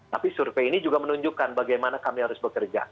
tapi survei ini juga menunjukkan bagaimana kami harus bekerja